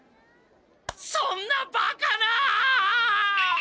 そんなバカな！